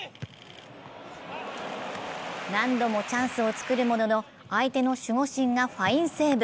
何度もチャンスを作るものの、相手の守護神がファインセーブ。